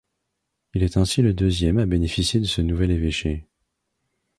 Il est ainsi le deuxième à bénéficier de ce nouvel évêché.